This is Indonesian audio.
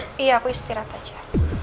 iya aku istirahat aja